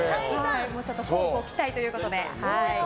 こうご期待ということで。